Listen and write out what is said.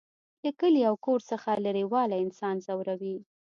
له کلي او کور څخه لرېوالی انسان ځوروي